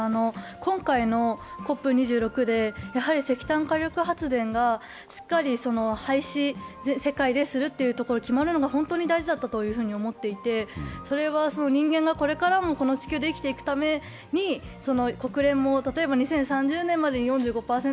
今回のＣＯＰ２６で石炭火力発電がしっかり廃止を世界でするということが決まるのが本当に大事だったと思っていて、人間がこれからもこの地球で生きていくために国連も２０３０年までに４５％